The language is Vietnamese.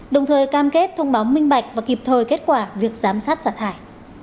đồng thời cam kết thông báo minh bạch và kịp thời kết quả việc giám sát xả thải